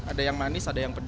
ada yang manis ada yang pedas